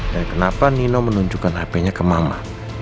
dan kenapa nino menunjukkan hpnya ke mama